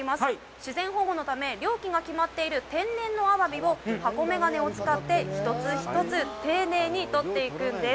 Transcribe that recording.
自然保護のため、漁期が決まっている天然のアワビを箱眼鏡を使って一つ一つ丁寧に取っていくんです。